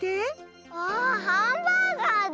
わあハンバーガーだ。